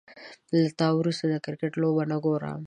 له تا وروسته، د کرکټ لوبه نه ګورم